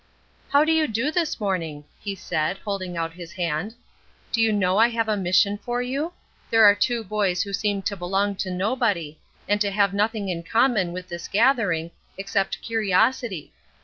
"How do you do this morning?" he said, holding out his hand. "Do you know I have a mission for you? There are two boys who seem to belong to nobody, and to have nothing in common with this gathering, except curiosity.